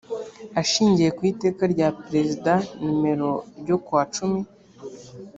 ashingiye ku iteka rya perezida nimero ryo kuwa cumi